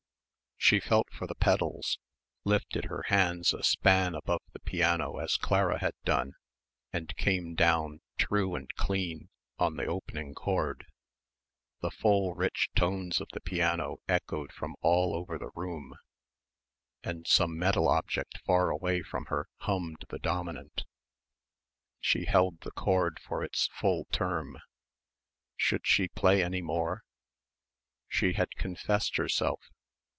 She felt for the pedals, lifted her hands a span above the piano as Clara had done and came down, true and clean, on to the opening chord. The full rich tones of the piano echoed from all over the room; and some metal object far away from her hummed the dominant. She held the chord for its full term.... Should she play any more?... She had confessed herself